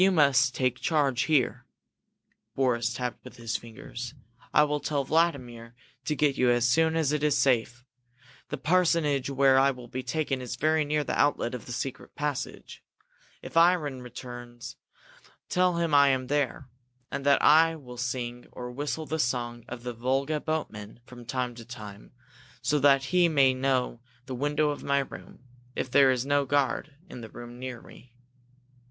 "You must take charge here," Boris tapped with his fingers. "I will tell Vladimir to get you as soon as it is safe. The parsonage where I will be taken is very near the outlet of the secret passage. If Ivan returns, tell him I am there, and that I will sing or whistle the song of the Volga boatmen from time to time, so that he may know the window of my room, if there is no guard in the room with me.